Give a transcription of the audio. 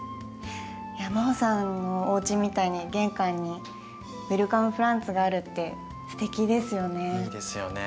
いや真穂さんのおうちみたいに玄関にウェルカムプランツがあるってすてきですよね。